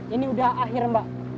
ini sudah akhir mbak